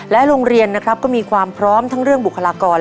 โรงเรียนนะครับก็มีความพร้อมทั้งเรื่องบุคลากร